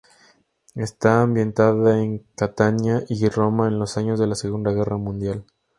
Está ambientada en Catania y Roma en los años de la Segunda Guerra Mundial.